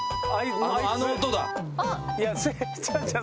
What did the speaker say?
あの音だ。